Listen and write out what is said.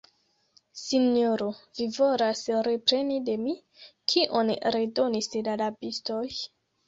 sinjoro, vi volas repreni de mi, kion redonis la rabistoj?